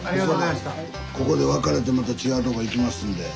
ここで別れてまた違うとこ行きますんで。